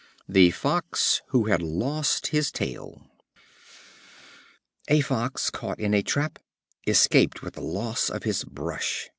The Fox who had Lost his Tail. A Fox, caught in a trap, escaped with the loss of his "brush."